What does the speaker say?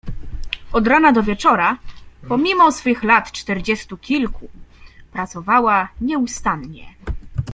"Od rana do wieczora, pomimo swych lat czterdziestu kilku, pracowała nieustannie."